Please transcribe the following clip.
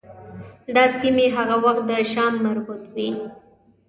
دا سیمې هغه وخت د شام مربوط وې.